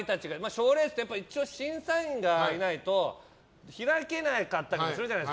賞レースって一応、審査員がいないと開けなかったりするじゃない。